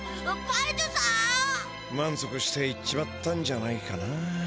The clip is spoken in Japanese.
まんぞくして行っちまったんじゃないかな。